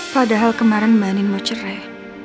padahal kemarin nino cerai